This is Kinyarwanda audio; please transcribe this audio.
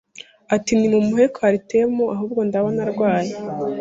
ati ntimumuhe coartem ahubwo ndabona arwaye